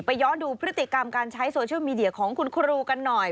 ย้อนดูพฤติกรรมการใช้โซเชียลมีเดียของคุณครูกันหน่อย